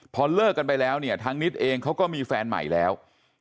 พอเลิกกันไปแล้วเนี่ยทางนิดเองเขาก็มีแฟนใหม่แล้ว